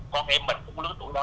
con em mình cũng lớn tuổi đó